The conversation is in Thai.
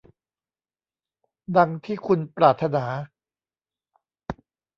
ดังที่คุณปรารถนา